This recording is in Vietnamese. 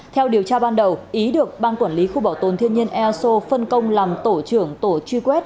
theo điều tra ban đầu ý được ban quản lý khu bảo tồn thiên nhiên easo phân công làm tổ trưởng tổ truy quét